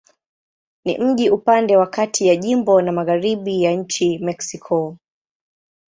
Ni mji upande wa kati ya jimbo na magharibi ya nchi Mexiko.